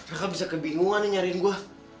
raka bisa kebingungan nih nyariin gua